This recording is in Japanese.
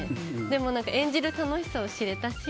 でも、演じる楽しさを知れたし